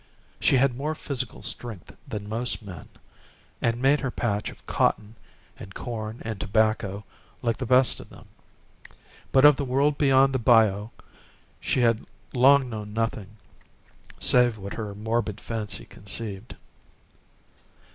She had more physical strength than most men, and made her patch of cotton and corn and tobacco like the best of them. But of the world beyond the bayou she had long known nothing, save what her morbid fancy conceived.